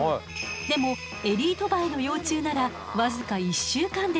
でもエリートバエの幼虫なら僅か１週間で作れちゃうの。